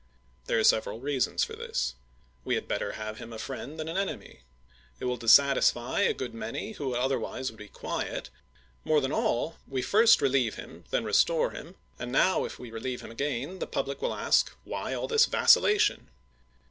There are several reasons for this. We had better have him a friend than an enemy. It will dissatisfy a good many who otherwise would be quiet. More than all, we first relieve him, then restore him, and now if we relieve him again the public wiU ask, '' Why all this vacillation